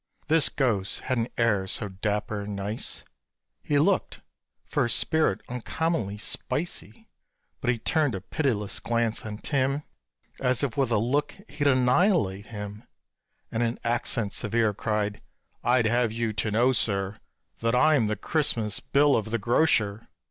This ghost had an air so dapper and nice, he Looked for a spirit uncommonly spicy; But he turned a pitiless glance on Tim, As if with a look he'd annihilate him, And in accents severe cried, "I'd have you to know, sir, That I am the Christmas bill of the grocer!